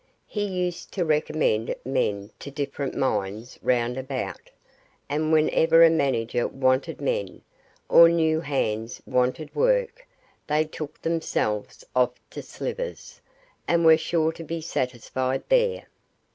He used to recommend men to different mines round about, and whenever a manager wanted men, or new hands wanted work, they took themselves off to Slivers, and were sure to be satisfied there.